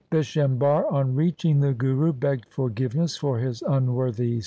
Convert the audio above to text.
Bishambhar on reaching the Guru begged forgive ness for his unworthy son.